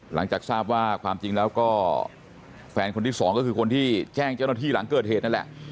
หลังจากทราบว่าความจริงแล้วก็แฟนคนที่สองก็คือคนที่แจ้งเจ้าหน้าที่หลังเกิดเหตุนั่นแหละ